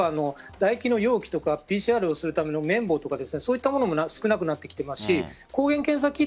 唾液の容器とかＰＣＲをするための綿棒とかそういったものも少なくなってきていますし抗原検査